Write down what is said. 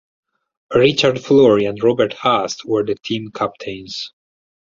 Richard Flory and Robert Hast were the team captains.